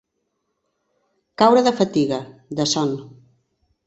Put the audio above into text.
Caure de fatiga, de son.